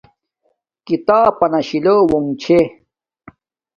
کھیتاپ پنا شیلوونݣ چھے